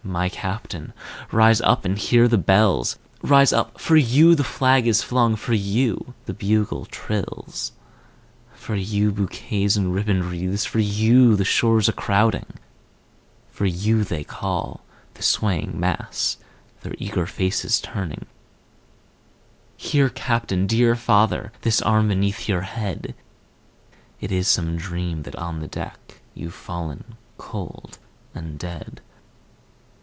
my Captain! rise up and hear the bells; Rise up—for you the flag is flung—for you the bugle trills, For you bouquets and ribboned wreaths—for you the shores a crowding, For you they call, the swaying mass, their eager faces turning; Here Captain! dear father! This arm beneath your head! It is some dream that on the deck You've fallen cold and dead.